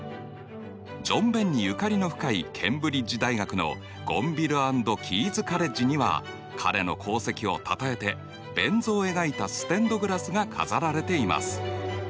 ジョン・ベンにゆかりの深いケンブリッジ大学のゴンヴィル・アンド・キーズ・カレッジには彼の功績をたたえてベン図を描いたステンドグラスが飾られています。